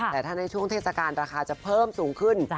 แต่ถ้าในช่วงเทศกาลราคาจะเพิ่มสูงขึ้น